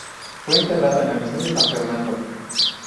Fue enterrado en la misión San Fernando.